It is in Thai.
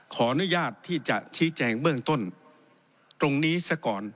ขออนุญาตที่จะชี้แจงเบื้องต้นตรงนี้ซะก่อน